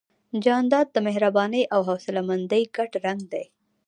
جانداد د مهربانۍ او حوصلهمندۍ ګډ رنګ دی.